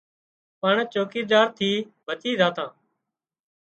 پڻ چوڪيدار ٿي بچي زاتا